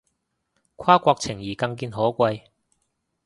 跨國情誼更見可貴